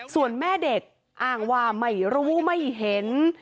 ส่วนแม่เด็กอ้างว่าไม่รู้ไม่เห็น